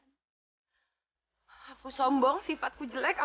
sampai jumpa di video selanjutnya